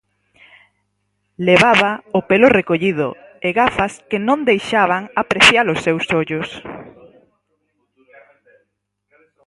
Levaba o pelo recollido e gafas que non deixaban aprecia-los seus ollos.